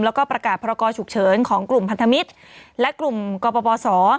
แล้วก็ประกาศพรกรฉุกเฉินของกลุ่มพันธมิตรและกลุ่มกปศ